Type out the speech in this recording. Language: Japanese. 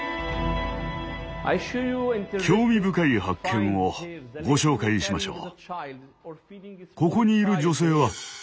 興味深い発見をご紹介しましょう。